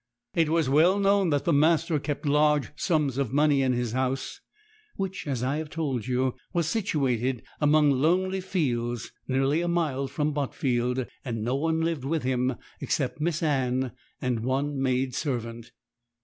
It was well known that the master kept large sums of money in his house, which, as I have told you, was situated among lonely fields, nearly a mile from Botfield; and no one lived with him, except Miss Anne, and one maid servant.